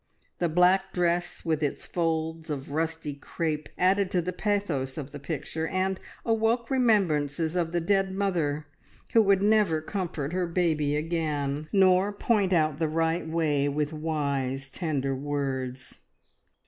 The black dress with its folds of rusty crape added to the pathos of the picture, and awoke remembrances of the dead mother who would never comfort her baby again, nor point out the right way with wise, tender words.